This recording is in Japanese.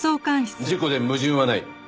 事故で矛盾はない。